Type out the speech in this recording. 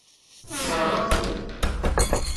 Tessṛeɣ-aɣ-ten.